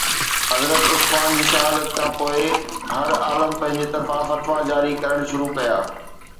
حضرت عثمان جي شهادت کان پوءِ هر عالم پنهنجي طرفان فتويٰ جاري ڪرڻ شروع ڪيا